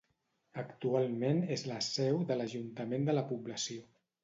Actualment és la seu de l'ajuntament de la població.